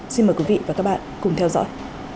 xin mời quý vị và các bạn cùng theo dõi